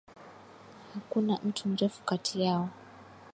Hakuna mtu mrefu kati yao